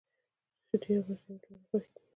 شیدې او مستې مي دواړي خوښي دي.